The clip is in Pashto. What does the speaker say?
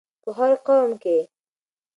په هر قوم کې